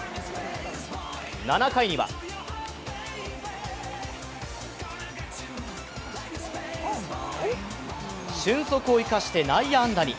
７回には俊足を生かして内野安打に。